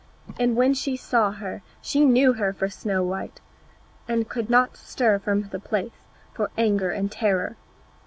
And when she saw her she knew her for Snow white, and could not stir from the place for anger and terror.